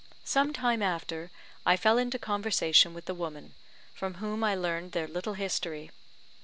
Some time after, I fell into conversation with the woman, from whom I learned their little history.